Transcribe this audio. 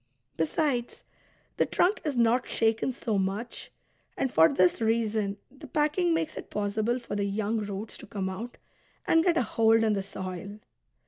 Besides, the trunk is not shaken so much, and for this reason the packing makes it possible for the young roots to come out and get a hold in the soil.